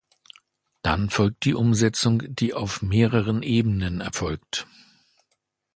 Dann folgt die Umsetzung, die auf mehreren Ebenen erfolgt.